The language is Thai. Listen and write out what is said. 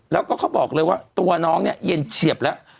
แล้วก็เขาบอกเลยว่าตัวน้องเนี่ยเย็นเฉียบแล้ว